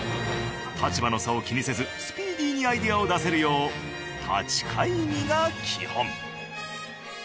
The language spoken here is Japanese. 立場の差を気にせずスピーディーにアイデアを出せるよう立ち会議が基本。